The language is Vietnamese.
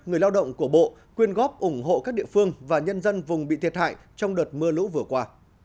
người lao động của bộ quyên góp ủng hộ các địa phương và nhân dân vùng bị thiệt hại trong đợt mưa lũ vừa qua